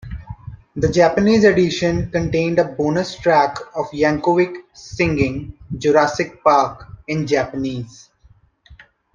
The Japanese edition contained a bonus track of Yankovic singing "Jurassic Park" in Japanese.